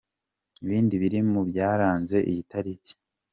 Ibindi biri mu byaranze iyi tariki.